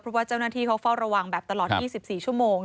เพราะว่าเจ้าหน้าที่เขาเฝ้าระวังแบบตลอด๒๔ชั่วโมง